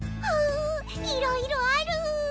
ういろいろある！